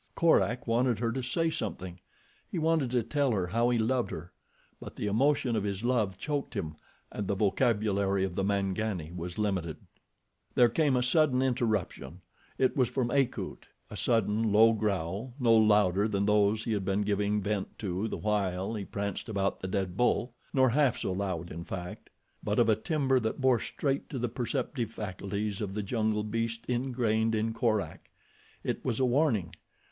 Korak wanted her to say something. He wanted to tell her how he loved her; but the emotion of his love choked him and the vocabulary of the Mangani was limited. There came a sudden interruption. It was from Akut—a sudden, low growl, no louder than those he had been giving vent to the while he pranced about the dead bull, nor half so loud in fact; but of a timbre that bore straight to the perceptive faculties of the jungle beast ingrained in Korak. It was a warning.